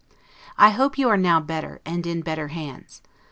I hope you are now better, and in better hands.